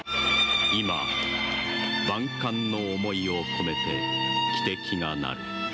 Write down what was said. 今、万感の思いを込めて汽笛が鳴る。